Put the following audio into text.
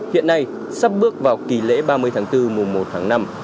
hiện nay sắp bước vào kỳ lễ ba mươi tháng bốn mùa một tháng năm